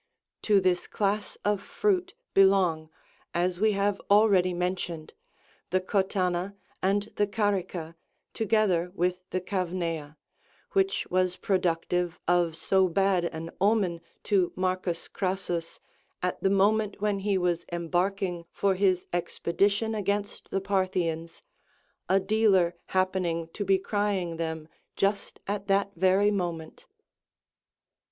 To this class of fruit belong, as we have already mentioned,94 the cottana and the carica, together with the cavnea,95 which was productive of so bad an omen to M. Crassus at the moment when he was embarking96 for his expedition against the Parthians, a dealer happening to be crying them just at that very moment.